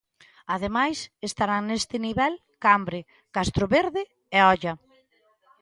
Ademais, estarán neste nivel Cambre, Castroverde e Oia.